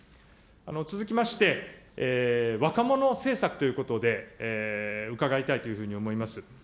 続きまして、若者政策ということで、伺いたいというふうに思います。